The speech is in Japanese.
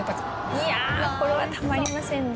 いやこれはたまりませんね。